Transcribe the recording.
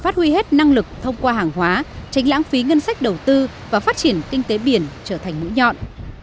phát huy hết năng lực thông qua hàng hóa tránh lãng phí ngân sách đầu tư và phát triển kinh tế biển trở thành mũi nhọn